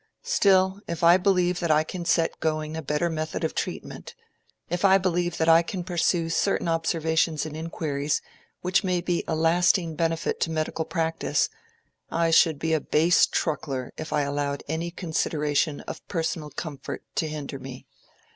Still, if I believe that I can set going a better method of treatment—if I believe that I can pursue certain observations and inquiries which may be a lasting benefit to medical practice, I should be a base truckler if I allowed any consideration of personal comfort to hinder me.